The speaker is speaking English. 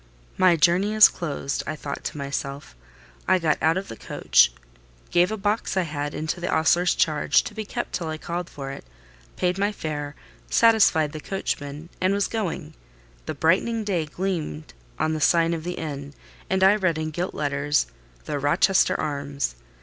"My journey is closed," I thought to myself. I got out of the coach, gave a box I had into the ostler's charge, to be kept till I called for it; paid my fare; satisfied the coachman, and was going: the brightening day gleamed on the sign of the inn, and I read in gilt letters, "The Rochester Arms."